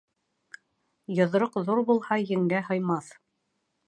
Йоҙроҡ ҙур булһа, еңгә һыймаҫ.